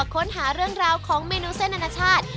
ค้นหาเรื่องราวของเมนูเส้นอนาชาติ